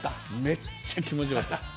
めっちゃ気持ちよかったです。